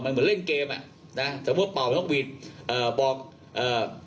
มันเหมือนเล่นเกมน่ะนะสมมุติเป่าเอ่อบอกเอ่อ